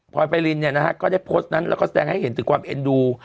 พอยไพรินเนี่ยนะฮะก็ได้โพสต์นั้นแล้วก็แสดงให้เห็นถึงความเอ็นดู